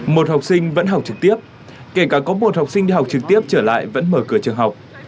một học sinh vẫn học trực tiếp kể cả có một học sinh đi học trực tiếp trở lại vẫn mở cửa trường học